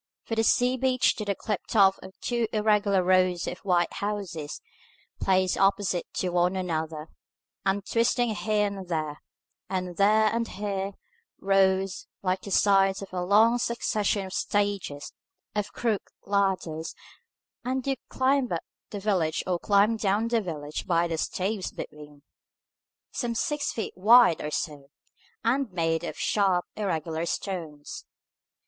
From the sea beach to the cliff top two irregular rows of white houses, placed opposite to one another, and twisting here and there, and there and here, rose, like the sides of a long succession of stages of crooked ladders, and you climbed up the village or climbed down the village by the staves between, some six feet wide or so, and made of sharp irregular stones.